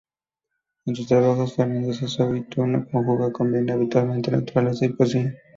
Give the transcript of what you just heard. En sus trabajos, Fernández-Aceytuno conjuga y combina habitualmente naturaleza y poesía.